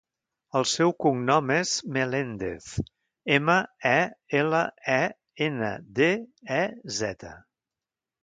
El seu cognom és Melendez: ema, e, ela, e, ena, de, e, zeta.